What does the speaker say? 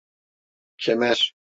Kemer!